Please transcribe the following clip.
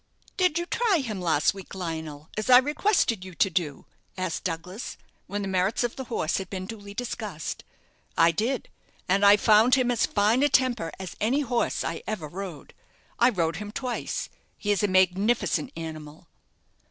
"Did you try him last week, Lionel, as I requested you to do?" asked Douglas, when the merits of the horse had been duly discussed. "I did; and I found him as fine a temper as any horse I ever rode. I rode him twice he is a magnificent animal."